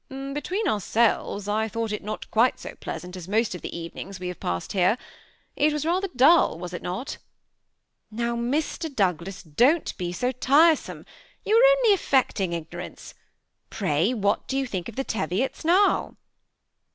" Between ourselves, I thought it not quite so pleas ant as most of the evenings we have passed here. It was rather dull, was not it ?"" Now, Mr. Douglas, don't be tiresome, you are only THE SBMI ATTACHE!D COUPLE. 219 affecting ignorance; pray what do jou think of the Teviots now?"